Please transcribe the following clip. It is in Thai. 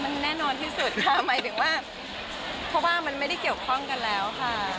มันแน่นอนที่สุดค่ะหมายถึงว่าเพราะว่ามันไม่ได้เกี่ยวข้องกันแล้วค่ะ